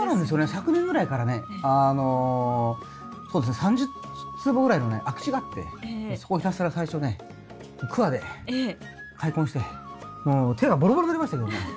昨年ぐらいからねあのそうですね３０坪ぐらいのね空き地があってそこをひたすら最初ねくわで開墾してもう手がボロボロになりましたけどね。